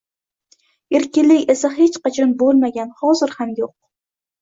Erkinlik esa hech qachon boʻlmagan, hozir ham yoʻq